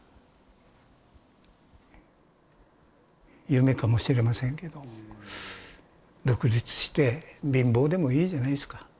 夢かもしれませんけど独立して貧乏でもいいじゃないですか。